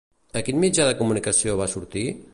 A quin mitjà de comunicació va sortir?